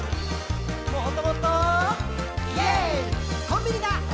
「コンビニだ！